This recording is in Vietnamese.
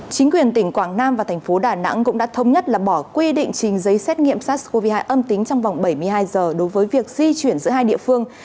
chính quyền tỉnh quảng nam và thành phố đà nẵng cũng đã thống nhất là bỏ quy định trình giấy xét nghiệm sars cov hai âm tính trong vòng bảy mươi hai giờ đối với việc di chuyển giữa hai địa phương